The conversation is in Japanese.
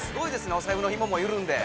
お財布のひも緩んで。